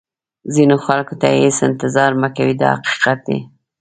ځینو خلکو ته هېڅ انتظار مه کوئ دا حقیقت دی.